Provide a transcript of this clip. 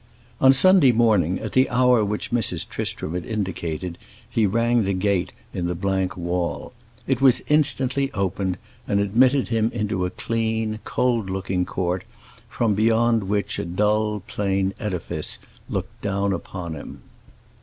On Sunday morning, at the hour which Mrs. Tristram had indicated, he rang at the gate in the blank wall. It instantly opened and admitted him into a clean, cold looking court, from beyond which a dull, plain edifice looked down upon him.